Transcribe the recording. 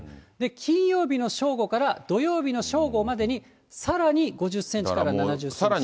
金曜日の正午から土曜日の正午までに、さらに５０センチから７０センチ。